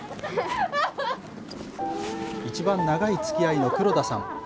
一番長いつきあいの黒田さん。